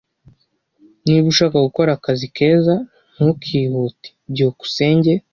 Niba ushaka gukora akazi keza, ntukihute. byukusenge